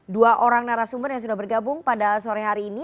dua orang narasumber yang sudah bergabung pada sore hari ini